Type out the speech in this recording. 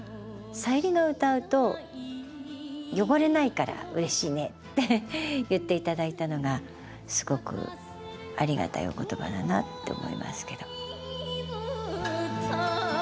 「さゆりが歌うと汚れないからうれしいね」って言って頂いたのがすごくありがたいお言葉だなって思いますけど。